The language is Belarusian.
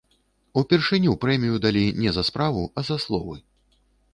Упершыню прэмію далі не за справу, а за словы.